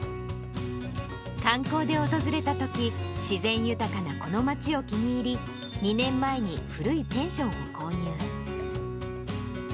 観光で訪れたとき、自然豊かなこの町を気に入り、２年前に古いペンションを購入。